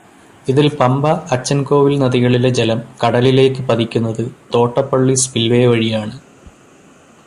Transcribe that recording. ഇതില് പമ്പ, അച്ചന്കോവില് നദികളിലെ ജലം കടലിലേക്ക് പതിക്കുന്നത് തോട്ടപ്പള്ളി സ്പില്വേ വഴിയാണ്.